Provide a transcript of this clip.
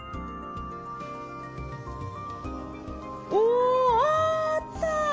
おあった！